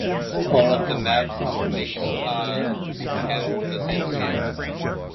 All of the map links are at the same scale.